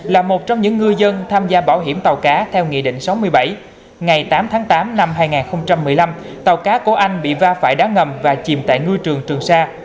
là một trong những ngư dân tham gia bảo hiểm tàu cá theo nghị định sáu mươi bảy ngày tám tháng tám năm hai nghìn một mươi năm tàu cá của anh bị va phải đá ngầm và chìm tại ngư trường trường sa